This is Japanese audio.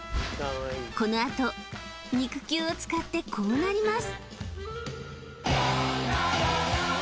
このあと肉球を使ってこうなります